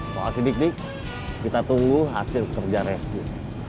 soal sidik dik kita tunggu hasil kerja resti